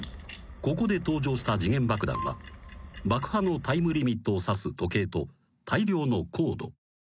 ［ここで登場した時限爆弾は爆破のタイムリミットを指す時計と大量のコード］